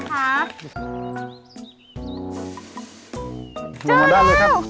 เจอแล้ว